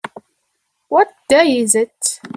What day is it?